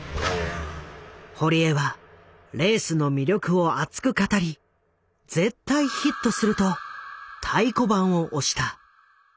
堀江はレースの魅力を熱く語りと太鼓判を押した。